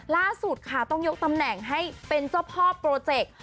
ล่าสุดค่ะต้องยกตำแหน่งให้เป็นเจ้าพ่อโปรเจกต์